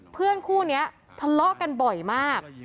เพื่อนคู่นี้ทะเลาะกันบ่อยมาก